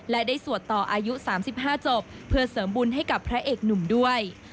และได้สวดต่ออายุ๓๕จบเพื่อเสริมบุญให้กับพระเอกหนุ่มด้วย